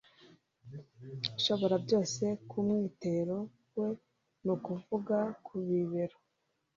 Ishoborabyose Ku mwitero we ni ukuvuga ku kibero